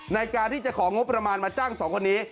ในการที่จะของงบประมาณมาจ้างสองคนนี้